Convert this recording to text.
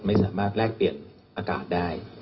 ไม่สามารถแลกเปลี่ยนอากาศได้